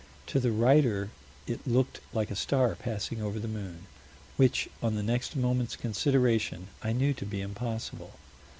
To the writer, it looked like a star passing over the moon "which, on the next moment's consideration I knew to be impossible."